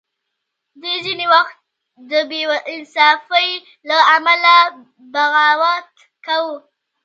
دوی ځینې وخت د بې انصافۍ له امله بغاوت کاوه.